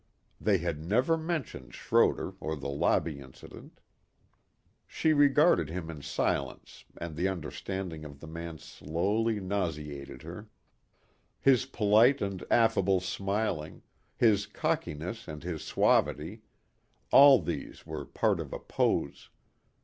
They had never mentioned Schroder or the lobby incident. She regarded him in silence and the understanding of the man slowly nauseated her. His polite and affable smiling, his cockiness and his suavity all these were part of a pose.